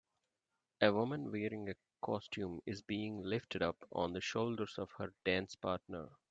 A woman wearing a costume is being lifted up on the shoulders of her dance partner.